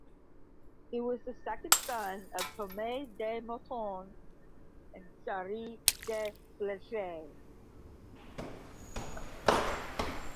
He was the second son of Thomas de Multon and Sarah de Flete.